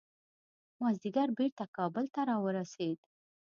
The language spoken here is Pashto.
مازدیګر بیرته کابل ته راورسېدو.